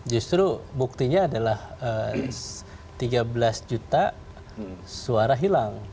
justru buktinya adalah tiga belas juta suara hilang